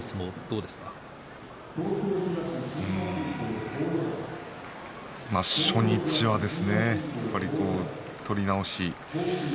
うーん初日は取り直し。